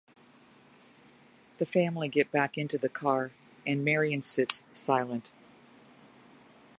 The family get back into the car, and Marion sits, silent.